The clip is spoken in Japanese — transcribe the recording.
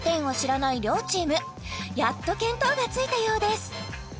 ＴＯＰ１０を知らない両チームやっと見当がついたようです